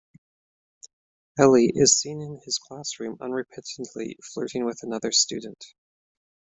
Eli is seen in his classroom unrepentantly flirting with another student.